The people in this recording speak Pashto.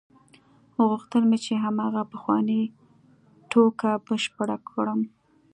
غوښتل مې چې هماغه پخوانۍ ټوکه بشپړه کړم.